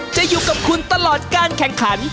จะอยู่กับคุณตลอดการแข่งขัน